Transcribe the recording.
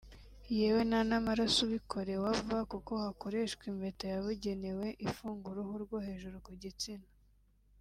yewe nta n’amaraso ubikorewe ava kuko hakoreshwa impeta yabugenewe ifunga uruhu rwo hejuru ku gitsina